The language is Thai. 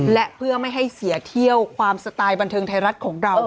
และเพื่อไม่ให้เสียเที่ยวความสไตล์บันเทิงไทยรัฐของเรา